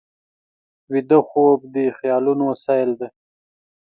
ویده خوب د خیالونو سیل دی